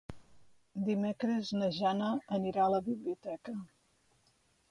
Dimecres na Jana anirà a la biblioteca.